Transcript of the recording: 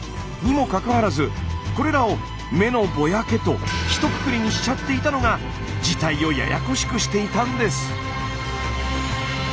にもかかわらずこれらを「目のぼやけ」とひとくくりにしちゃっていたのが事態をややこしくしていたんです。